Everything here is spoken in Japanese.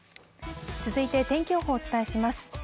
続いて天気予報をお伝えします。